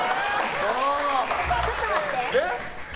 ちょっと待って。